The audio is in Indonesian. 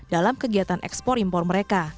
dalam kegiatan ekspor impor mereka